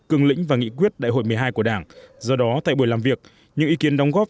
cương lĩnh và nghị quyết đại hội một mươi hai của đảng do đó tại buổi làm việc những ý kiến đóng góp